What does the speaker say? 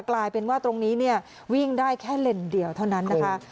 กลายเป็นว่าตรงนี้เนี่ยวิ่งได้แค่เลนเดียวเท่านั้นนะคะ